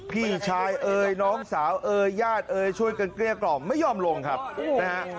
พี่ชายเอ่ยน้องสาวเอ่ยญาติเอ่ยช่วยกันเกลี้ยกล่อมไม่ยอมลงครับนะฮะ